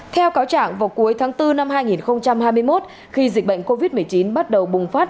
theo cáo trạng vào cuối tháng bốn năm hai nghìn hai mươi một khi dịch bệnh covid một mươi chín bắt đầu bùng phát